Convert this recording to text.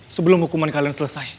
sebelum hukuman kalian selesai